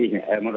menurut saya sih